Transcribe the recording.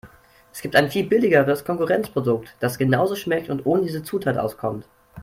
Es gibt ein viel billigeres Konkurrenzprodukt, das genauso schmeckt und ohne diese Zutat auskommt.